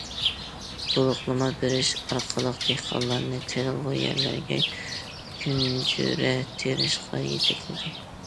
تولۇقلىما بېرىش ئارقىلىق دېھقانلارنى تېرىلغۇ يەرلىرىگە كۈنجۈرە تېرىشقا يېتەكلىدى.